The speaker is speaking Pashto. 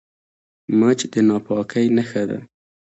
مچ د ناپاکۍ نښه ده